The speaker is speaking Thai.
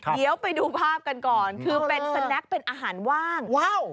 เดี๋ยวไปดูภาพกันก่อนคือเป็นสแนคเป็นอาหารว่างว้าว